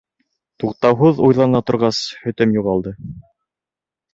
Туҡтауһыҙ уйлана торғас, һөтөм юғалды.